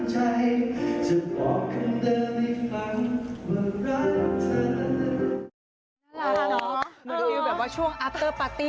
เหมือนอยู่ช่วงอัพเตอร์ปาร์ตี้